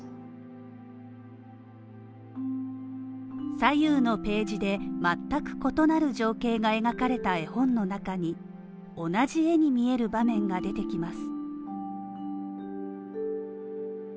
左右のページで全く異なる情景が描かれた絵本の中に、同じ絵に見える場面が出てきます